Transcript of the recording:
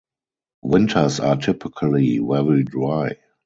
Winters are typically very dry.